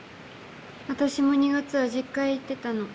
私も２月は実家へ行ってたの。